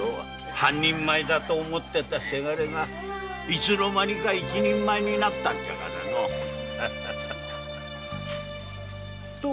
半人前だと思ってた伜がいつの間にか一人前になったんじゃからのう。